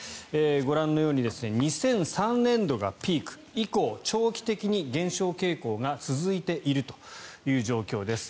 ご覧のように２００３年度がピーク以降、長期的に減少傾向が続いているという状況です。